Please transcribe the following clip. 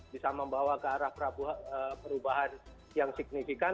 bisa membawa ke arah perubahan yang signifikan